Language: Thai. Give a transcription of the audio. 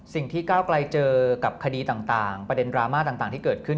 ก้าวไกลเจอกับคดีต่างประเด็นดราม่าต่างที่เกิดขึ้น